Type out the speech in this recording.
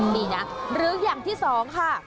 นี่นะหรืออย่างที่สองค่ะ